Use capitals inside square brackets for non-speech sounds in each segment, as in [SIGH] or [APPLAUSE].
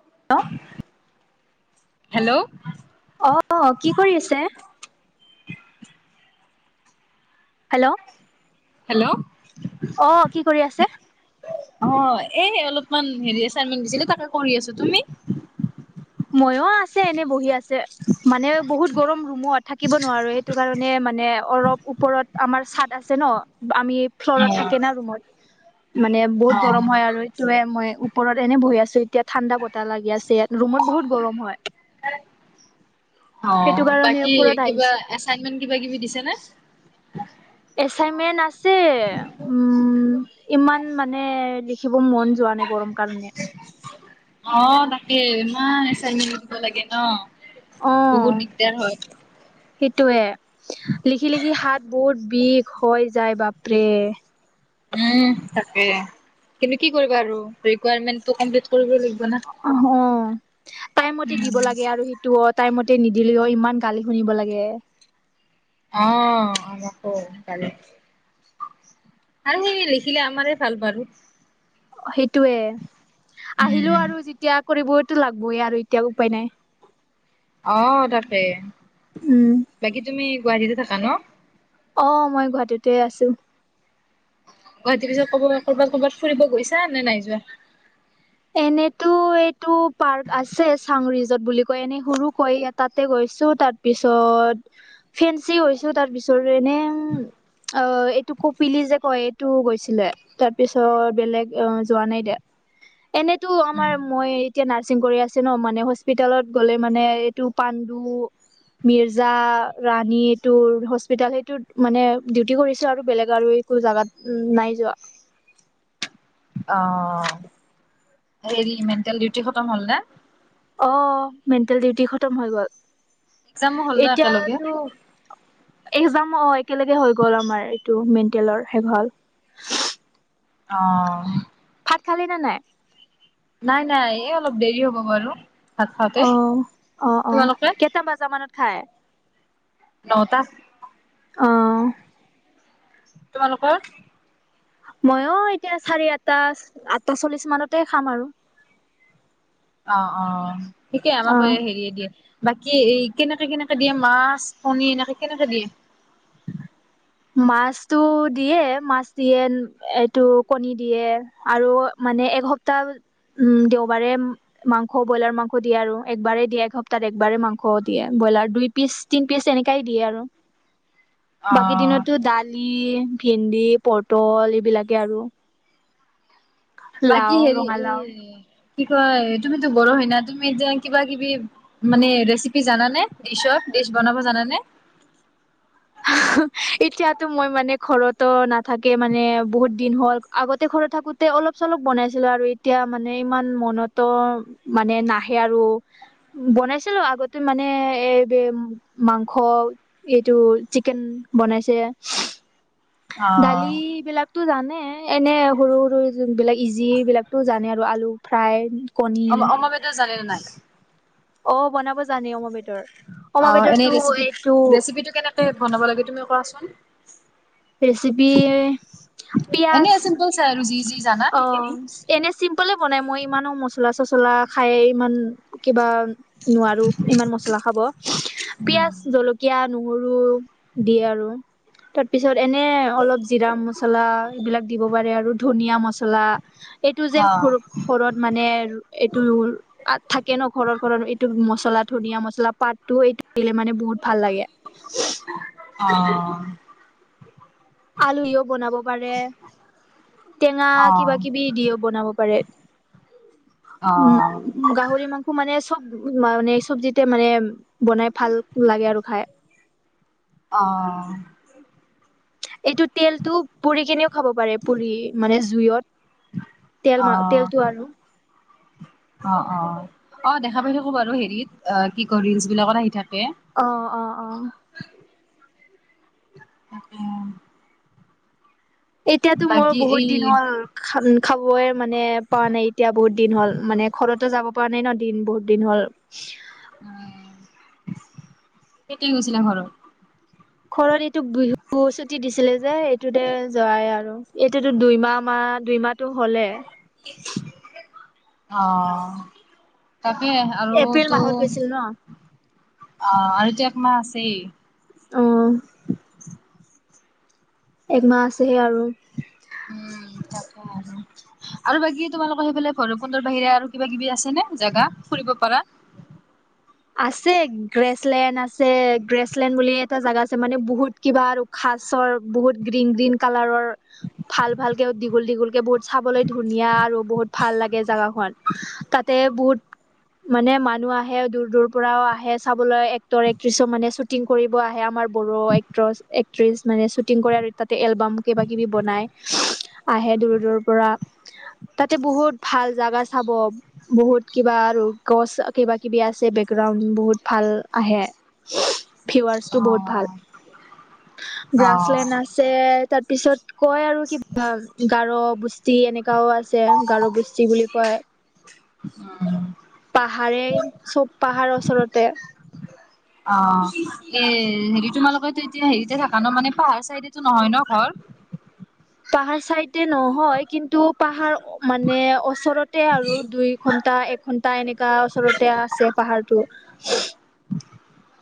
[UNINTELLIGIBLE] Hello অ', কি কৰি আছে। [UNINTELLIGIBLE] হেল্ল' হেল্ল' অ', কি কৰি আছে। অ', এ অলপমান হেৰি এচাইনমেন্ত দিছিলে তাকে কৰি আছো, তুমি মইও আছে এনে বহি আছে মানে বহুত গৰম ৰুমত। থাকিব নোৱাৰো। সেইটো কাৰণে মানে অলপ ওপৰত আমাৰ চাদ আছে ন। আমি অ ফ্লৰত থাকে না ৰুমত। মানে বহুত অ গৰম হয় আৰু। এইটোয়ে মই ওপৰত এনে বহি আছো এতিয়া। ঠাণ্ডা বতাহ লাগি আছে ইয়াত ৰুমত বহুত গৰম হয়। [UNINTELLIGIBLE] সেইটো অ', কাৰণে বাকী ওপৰত কিবা আহিছো এছাইনমেণ্ট কিবা কিবি দিছে নে? এছাইনমেণ্ট আছে, উম। উম, ইমান মানে লিখিব মন যোৱা নাই গৰম কাৰণে। অ', তাকে ইমান এছাইনমেণ্ট লিখিব লাগে ন? বহুত দিগদাৰ হয়। সেইটোৱেই। লিখি লিখি হাত বহুত বিষ হৈ যায় বাপৰে। উম, তাকে। কিন্তু কি কৰিবা আৰু ৰিকোয়াৰমেণ্টতো কমপ্লিট কৰিবই লাগিব। না অ'হ, টাইম মতে দিব লাগে আৰু সেইটো ৱত। টাইম মতে নিদিলেও ইমান গালি শুনিব লাগে। অ', আকৌ সোনকালে আৰু সেই লিখিলে আমাৰে ভাল বাৰু। সেইটোৱেই। আহিলো উম আৰু যেতিয়া কৰিবইতো লাগবই আৰু এতিয়া উপায় নাই। অ', তাকে উম বাকী তুমি গুৱাহাটীতে থাকা ন? অ', মই গুৱাহাটীতে আছো। গুৱাহাটী পিছে কব ক'ৰবাত ক'ৰবাত ফুৰিব গৈছা নে নাই যোৱা? এনেতো এইটো পাৰ্ক আছে, চাংৰিজট বুলি কয় এনে সৰু কৈ তাতে গৈ ছো তাৰ পিছত। ফেঞ্চি হৈছো তাৰ পিছৰে এনেই অ' এইটো কপিলি যে কয়, এইটো গৈছিলে। তাৰ পিছত বেলেগ অ' যোৱা নাই দে। এনেতো আমাৰ মই এতিয়া নাচ চাং কৰি আছে ন। মানে হস্পিতালত গ'লে মানে এইটো পাণ্ডু মিৰ্জা ৰাণীটোৰ হস্পিতেল সেইটো মানে ডিউটি কৰিছো আৰু বেলেগ আৰু একো জেগাত উম নাই যোৱা। অ', হেৰি মেণ্টেল ডিউটি খতম হ'ল নে? অ', মেণ্টেল ডিউটি খতম হৈ গ'ল। এক্সামো হ'ল ন একেলগে? এতিয়াতো এক্সাম অ' একেলগে হৈ গ'ল আমাৰ, এইটো মেণ্টেলৰ শেষ হ'ল। অ'। ভাত খালি নে নাই? নাই নাই এই অলপ দেৰি হ'ব বাৰু। ভাত খাওঁতে। অ', অ', অ', তোমালোকে? কেইটা বজা মানত খাই? ন'টা। অ'। তোমালোকৰ? মইয়ো এতিয়া চাৰে আঠটা, আঠটা চল্লিশ মানতে খাম আৰু। অ', অ', থিকেই আমাকো অ হেৰিয়ে দিয়ে। বাকী এই কেনেকে কেনেকে দিয়ে? মাছ, কণী এনেকে কেনেকে দিয়ে? মাছতো দিয়ে, মাছ দিয়ে, উম এইটো কণী দিয়ে আৰু মানে এসপ্তাহ উম, দেওবাৰে উম মাংস ব্ৰইলাৰ মাংস দিয়ে আৰু একবাৰেই দিয়ে এসপ্তাহ একবাৰেই মাংস দিয়ে। ব্ৰইলাৰ দুই পিচ, তিন পিচ এনেকাই দিয়ে আৰু। অ বাকী দিনতো দালি, ভেন্দি, পটল এইবিলাকে আৰু। বাকী লাও হেৰি ৰঙালাও এই কি কয়, তুমিতটো বড়ো হয় না তুমি যেন কিবা কিবি মানে ৰেচিপি জানানে ডিচত? ডিচ বনাব জানানে? এতিয়াতো মই মানে ঘৰতো নাথাকে মানে বহুত দিন হ'ল, আগতে ঘৰত থাকো। কোতে অলপ চলপ বনাইছিলো আৰু, এতিয়া মানে ইমান মনতো মানে নাহে আৰু। বনাইছিলো আগতে মানে এইব মাংস এইটো চিকেন বনাইছে, অ দালি বিলাকতো জা মানে এনে সৰু সৰু যি বিলাক ইজি বিলাকতো জানে আৰু আলু ফ্ৰাই কণী অম অম বেদৰ জানে নে নাই? অ বনাব জানে অম বেদ [UNINTELLIGIBLE] অ' এনেই ৰেচিপি ৰেচিপিটো কেনেকে বনাব লাগে তুমি কোৱাচোন? ৰেচিপি এনে পিঁয়াজ চিম্পল চাই আৰু যি যি জানা অ' সেইখিনি এনেই চিম্পলে, খোৱা নাই মই ইমানো মচলা চচলা খাই ইমান কিবা নোৱাৰোঁ ইমন মছলা খাব, পিয়াজ, জলকীয়া, নহৰু দিয়ে আৰু তাত, পিছত এনে অলপ জিৰা মছলা এইবিলাক দিব পাৰে আৰু ধনীয়াা মচলা এইটো অ যেৰ ঘৰত মানে এইটো ৰুল থাকে ন ঘৰত ঘৰত এইটো মচলাত, ধনিয়া মচলা পাতটো এইটো দিলে মানে বহুত ভাল লাগে। অহ, আলুও বনাব পাৰে টেঙা অ অ অ কিবা কিবি দিও বনাব পাৰে। উম, গাহৰি মাংস মানে চব মানে চবজিতে মানে বনাই ভাল লাগে আৰু খাই। অহ, এইটো তেলতটো পুৰি কিনে খাব পাৰে পুৰি মানে জুইত, তেল অ মাৰ তেলটো আৰু। অ, অ, অ, দেখা পাই থাকো বাৰু হেৰিত অ, কি ক ৰিলচ বিলাকত আহি থাক অ, অ, অ, অ'। এতিয়াতো মোৰ বহুত এই দিন হ'ল। খাবই মানে পোৱা নাই এতিয়া বহুত, দিন হ'ল মানে ঘৰতো যাব পৰা নাই ন দিন বহুত দিন হ'ল। কেতিয়া গৈছিলা ঘৰত? ঘৰত এইটোক বিহু ছুটি দিছিলে যে এইটোতে যোৱাই আৰু, এইটোতো দুইমাহমান দুইমাহটো হ'লে। অ'। তাকেই আৰু এপ্ৰিল তো মাহত গৈছিল ন আহ, আৰুটো এক মাহ আছেই। উম, [INAUDIBLE] একমাহ আছেহে আৰু। উম, আৰু বাকী তোমালোকৰ সেইফালে ভৈৰৱকুণ্ড বাহিৰে আৰু কিবা কিবি আছে নে জাগা? ফুৰিব পাৰা? [INAUDIBLE] আছে গ্ৰেচলেণ্ড আছে গ্ৰেচলেণ্ড বুলি এটা জোগা আছে মানে বহুত কিবা আৰু খা মাছৰ বহুত গ্ৰীণ-গ্ৰীণ কালাৰৰ ভাল-ভাল কে দীঘল-দীঘল কে বহুত চাবলৈ ধুনীয়া আৰু বহুত ভাল লাগে জাগাখন তাত, তে বহুত মানে মানুহ আহে দূৰ-দূৰ পৰাও আহে চাবলৈ এক্টৰ এক্ট্ৰেছ মানে শ্বুটিং কৰিব আহে আমাৰ বডো এক্ট্ৰৰ এক্ট্ৰিছ। মানে চুটিং কৰে আৰু তাতে এলবাম কিবা কিবি বনাই আহে দূৰ-দূৰৰ পৰা। তাতে বহুত ভাল জাগা চাব বহুত কিবা আৰু গছ কিবা কিবি আছে গ্ৰাউণ্ড বহুত ভাল আহে ভিউৰ্চটো বহুত ভাল। অ', অ'। গ্ৰাচলেণ্ড আছে তাৰপিছত কয় আৰু কিবা গাৰো বস্তি এনেকাও আছে গাৰো বস্তি বুলি কয় উম পাহাৰে চব পাহাৰৰ ওচৰতে অ এ হেৰি তোমালোকে টো এতিয়া হেৰিতে থকা ন মানে পাহাৰ চাইডো নহয় ন ঘৰ পাহাৰ চাইড নহয় কিন্তু পাহাৰ মানে ওচৰতে আৰু দুই ঘন্টা এঘন্টা এনেকে গাওঁ ওচৰতে আছে পাহাৰটো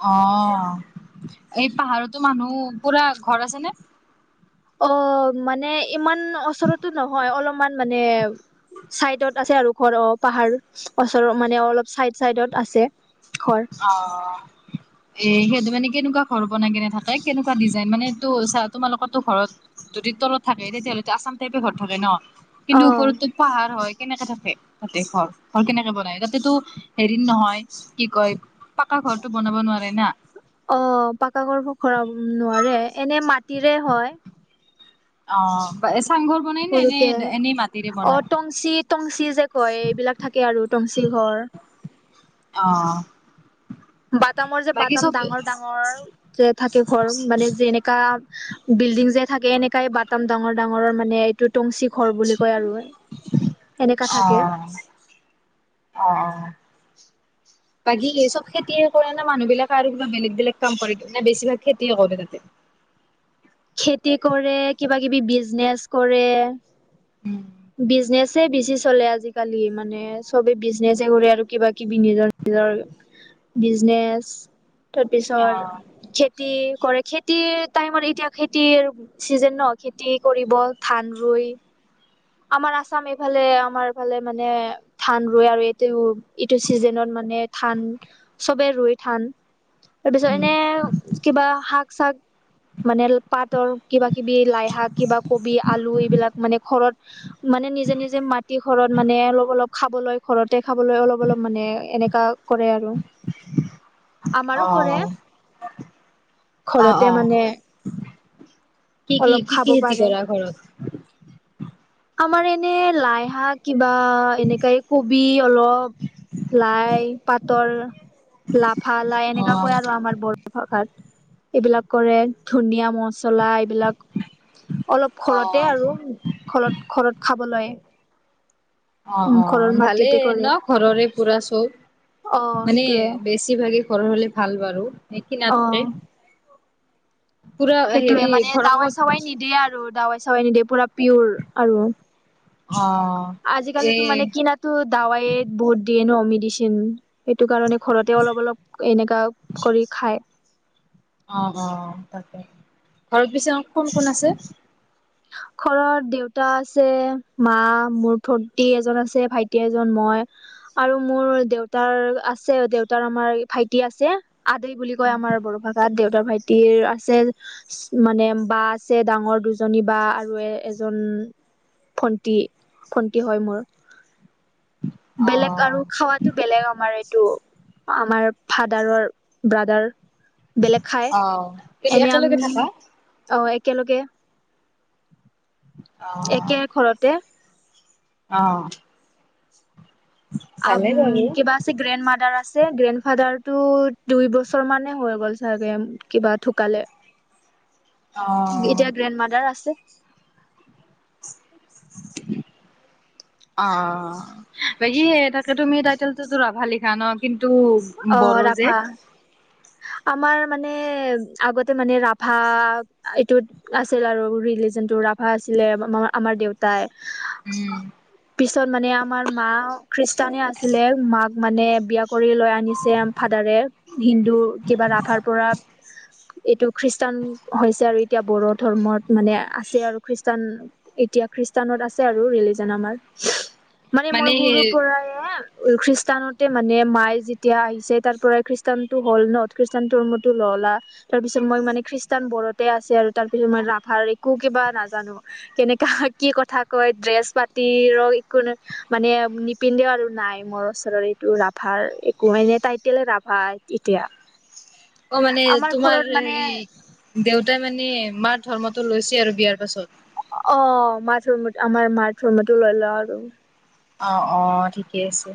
অ এই পাহাৰতো মানুহ পুৰা ঘৰ আছে নে অ মানে ইমান ওচৰতো নহয় অলপমান মানে চাইডত আছে আৰু ঘৰ অ পাহাৰ ওচৰৰ মানে অলপ চাইড চাইডত আছে ঘৰ অ এহেদক মানে কেনেকুৱা ঘৰ বনাই কেনে থাকে মানে কেনেকুৱা ডিজাইন মানে এইটো চা তোমালোকৰতো ঘৰত যদি তলত থাকে তেতিয়াহ'লেতো আছাম টাইপে ঘৰত থাকে ন' কিন্তু অ ওপৰততো পাহাৰ হয়। কেনেকে থাকে তাতে ঘৰ- ঘৰ কেনেকে বনাই তাতেটো হেৰিৰ নহয় কি কয় পকা ঘৰটো বনাব নোৱাৰে না। অ, পাকাকৰবোৰ ঘৰাব নোৱাৰে এনে মাটিৰে হয়। অ', [INAUDIBLE] বনাই নে-নে সৰুকে এনে মা [INAUDIBLE] অ, টংচি-টংচি যে কয় এইবিলাক থাকে আৰু টংচি ঘৰ। অ', বাটামৰ যে বাকী বাটাম চব ডাঙৰ - ডাঙৰ যে থাকে ঘৰ মানে যেনেকা বিল্ডিং যে থাকে এনেকাই বাটাম ডাঙৰ- ডাঙৰ মানে এইটো টংচি ঘৰ বুলি কয় আৰু সেনেকা অ থাকে। অ [INAUDIBLE] বাকী এ চব খেতিয়ে কৰে না মানুহবিলাকে আৰু কিবা বেলেগ-বেলেগ কাম কৰে না বেছিভাগ খেতিয়ে কৰে তাতে? [INAUDIBLE] [INAUDIBLE] [INAUDIBLE] খেতি কৰে কিবা কিবি বিজনেচ কৰে। উম বিজনেছে বেছি চলে আজিকালি মানে চবে বিজনেছে কৰে আৰু কিবা কিবি নিজৰ ৰৰ বিজনেছ অ তাৰপিচৰ খেতি কৰে খেতিৰ টাইমত এতিয়া খেতিৰ চিজন নহয় খেতি কৰিব ধান ৰুই। আমাৰ আছাম এইফালে আমাৰফালে মানে ধান ৰুৱে আৰু এইটো -এইটো চিজনত মানে মানে ধান চবে ৰুই ধান তাৰপিছত উম এনে কিবা শাক- চাক মানে পাতৰ কিবা- কিবি লাইশাক, কিবা কবি, আলু এইবিলাক মানে ঘৰত মানে নিজে - নিজে মাটি ঘৰত মানে অলপ- অলপ খাবলৈ ঘৰতে খাবলৈ অলপ- অলপ মানে এনেকা কৰে আৰু আমাৰো কৰে। অ', অ', ঘৰতে অ'। মানে কি কি অলপ কি কি খাব খেতি পাৰে। কৰা ঘৰত? আমাৰ এনে লাইশাক কিবা এনেকাাই কবি অলপ লাই পাটৰ, লাফা লাই এনেকা অ', কয় আৰু আমাৰ বঢ়ো ভাষাত। এইবিলাক কৰে ধনিয়া মচলা এইবিলাক অলপ ঘৰতে অ', আৰু ঘলত খাবলৈ। অ', উম ঘৰৰ অ', ভালেই মাটিতে কৰে। ন' ঘৰৰে পুৰা অ চব। মানে সেইটোয়ে বেছিভাগে ঘৰ হলে ভাল বাৰু এক অ নাথকে। সেইটোৱে মানে লগত দাৱাই-চাৱাই নিদিয়ে আৰু। দাৱাই-চাৱাই নিদিয়ে, পুৰা পিয়ৰ আৰু। অ', এ আজিকালিটো মানে কিনা তো দাৱাই বোট দিয়ে ন মেডিচিন। সেইটো কাৰণে ঘৰতে অলপ - অলপ এনেকা কৰি খায়। অ' - অ'। ঘৰত বিশ্বনা কোন কোন আছে। ঘৰত দেউতা আছে মা মোৰ ভটি এজন আছে ভাইটি এজন মই আৰু মোৰ দেউতাৰ আছে, দেউতাৰ আমাৰ ভাইটি আছে। আদয় বুলি কয় আমাৰ বড়ো ভাষাত দেউ তাৰ ভাইটি আছে মানে বা আছে ডাঙৰ দুজনী বা। আৰু এজন ভণ্টী ভণ্টী হয় মোৰ। বেলেগ আৰু অ', খাৱাটো বেলেগ আমাৰ এইটো। আমাৰ ফাদাৰৰ ব্ৰাদাৰ। বেলেগ খাই, অ'। কিন্তু এনে একেলগে আমি থাকা? আহ একেলগে একে ঘৰতে। আহ। আ উম কিবা আছে গ্ৰেণ্ড মাদাৰ আছে। যে গ্ৰেণ্ড ফাদাৰতো দুই বছৰ মানে হৈ গ'ল চাগে কিবা ঢুকালে। অ'। এতিয়া গ্ৰেণ্ড মাদাৰ আছে। উম [UNINTELLIGIBLE] অ বাকী তাকে তুমি টাইটেলটোতো ৰাভা লিখা ন কিন টো অ বড়ো যে। ৰাভা [INAUDIBLE] আমাৰ মানে আগতে মানে ৰাভা এইটোত আছিল আৰু ৰিলিজনটো ৰাভা আছিলে মা আমাৰ দেউতাই। উম। পিছত মানে আমাৰ মা খ্ৰীষ্টানে আছিলে, মাক মানে বিয়া কৰি লৈ আ নিছে ফাদাৰে হিন্দু কিবা ৰাভাৰ পৰা এইটো খ্ৰীষ্টান হৈছে আৰু, এতিয়া বড়ো ধৰ্মত মানে আছে আৰু খ্ৰীষ্টান এতিয়া খ্ৰীষ্টানত আছে আৰু ৰিলিজন আমাৰ। মানে মই সৰুৰ পৰাই খ্ৰীষ্টানতে মানে মায় যে তিয়া আহিছে তাৰ পৰাই খ্ৰীষ্টান টো হ'ল ন, খ্ৰীষ্টান ধৰ্মতো ললা, তাৰ পিছত মই মানে খ্ৰীষ্টান ধৰ্মতে আছে আৰু, তাৰপাছত ৰাভাৰ মই একো কিবা নাজানো, কেনেকে কি কথা কয় ড্ৰেছ পা পাতি ৰ একো মানে নিপিন্ধে আৰু নাই মোৰ ওচৰত এইটো ৰাভাৰ কুমেলিয়া টাইতেলে ৰাভা এতিয়া। অ মানে আমাৰ তোমাৰ ঘৰত হেৰি মানে দেউতাই মানে মাৰ ধৰ্মটো লৈছে আৰু বিয়াৰ পাছত? অ মাছৰ মতে, আমাৰ মাছৰ মতে লৈ ল আৰু। অ', অ' ঠিকেই আছে।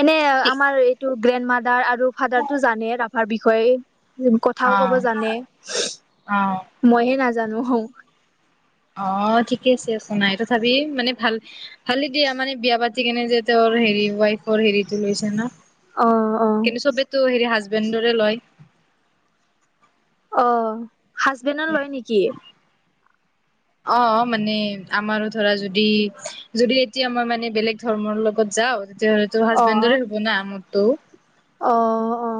এনে আমাৰ এইটো গ্ৰেণ্ড মাদাৰ আৰু ফাদাৰটো জানে ৰাভাৰ বিষয়ে? অ কথাও কব জানে, অ মইহে নাজানো সৌ। অ ঠিকে আছে চো নাই তথাপি মানে ভাল, ভালে দিয়া মানে বিয়া পাতি কেনে যে তেওঁ হেৰি ৱাইফৰ হেৰিটো লৈছে ন? অ কিন্তু চবেইতো হেৰি হাজবেণ্ডৰে লয়। অ হাজবেণ্ডৰ লয় নেকি? অ' মানে আমাৰো ধৰা যদি যদি এতিয়া মই মানে বেলেগ ধৰ্মৰ লগত যাওঁ তেতিয়াহ'লে তোৰ অ হাজবেণ্ডৰে হ'ব না মোৰতটো। অ অ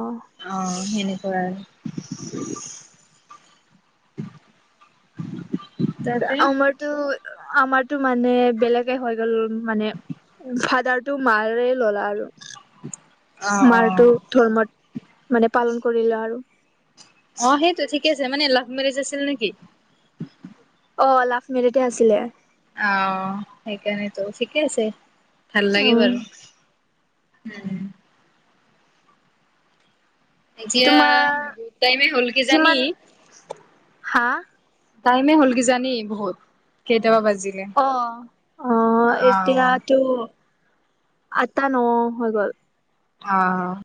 অ' সেনে হয়। [INAUDIBLE] আমাৰতো আমাৰ টো মানে বেলেগে হৈ গ'ল মানে, ফাদাৰটো মাৰে ল'লা আৰু। অ', অ'। মাৰটো ধৰ্মত মানে পালন কৰিলা আৰু। অ সেইটো ঠিকে আছে মানে লাভ মেৰেজ আছিল নেকি? অ' লাষ্ট মেৰিট আছিলে। আহ, সেইকাৰণেতো ঠিকে আছে ভাল অ লাগে বাৰু। হম। এতিয়া তোমাৰ বহুত টাইমে হ'ল কি জানি কিমান হা? টাইমে হ'ল কি জানি বহুত কে অ', অ', অ', এতিয়াতো আটা ন হৈ গ'ল। অ'।